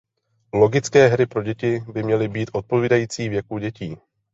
Logické hry pro děti by měly být odpovídající věku dětí.